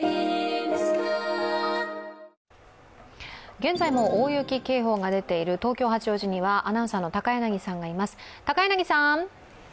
現在も大雪警報が出ている東京・八王子にはアナウンサーの高柳さんがいます。